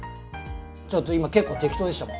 ちょっと今結構適当でしたもん。